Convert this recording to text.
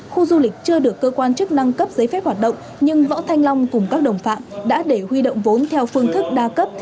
khu du lịch chưa được cơ quan chức năng cấp giấy phép hoạt động nhưng võ thanh long cùng các đồng phạm đã để huy động vốn theo phương thức đa cấp